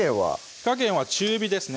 火加減は中火ですね